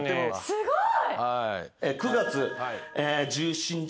すごーい！